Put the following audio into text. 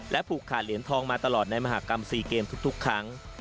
ผูกขาดเหรียญทองมาตลอดในมหากรรม๔เกมทุกครั้ง